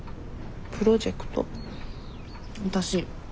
プロジェクト？